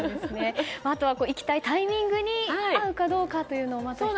あとは行きたいタイミングに合うかどうかというのも。